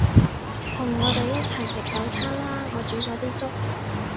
同我哋一齊食早餐啦，我煮咗啲粥